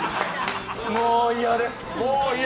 もう嫌です！